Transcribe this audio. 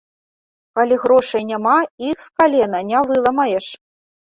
Калі грошай няма, іх з калена не выламаеш.